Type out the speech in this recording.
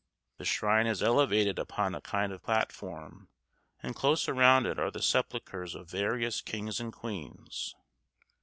The shrine is elevated upon a kind of platform, and close around it are the sepulchres of various kings and queens.